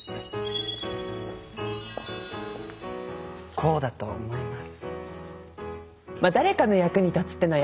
こうだと思います。